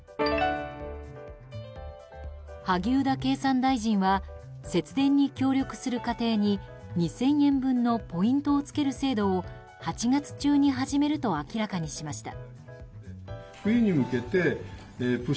萩生田経産大臣は節電に協力する家庭に２０００円分のポイントをつける制度を８月中に始めると明らかにしました。